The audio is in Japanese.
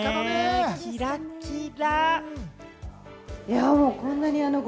キラキラ！